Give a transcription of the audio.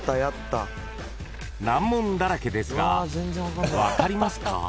［難問だらけですが分かりますか？］